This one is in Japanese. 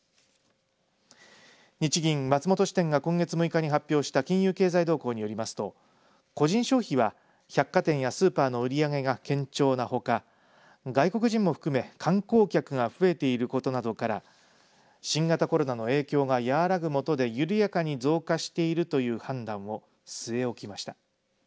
日銀松本支店が今月６日に発表した金融経済動向によりますと個人消費は百貨店やスーパーの売り上げが堅調なほか外国人も含め、観光客が増えていることなどから新型コロナの影響が和らぐ下で緩やかに増加しているという判断を据え置きました。